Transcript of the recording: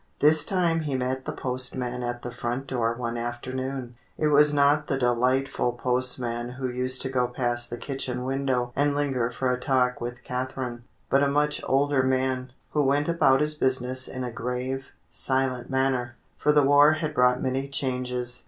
This time he met the postman at the front door one afternoon. It was not the delightful postman who used to go past the kitchen window and linger for a talk with Catherine, but a much older man, who went about his business in a grave, silent manner; for the war had brought many changes.